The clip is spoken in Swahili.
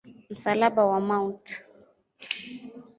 Msalaba wa Mt.